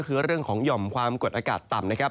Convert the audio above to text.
คือเรื่องของหย่อมความกดอากาศต่ำนะครับ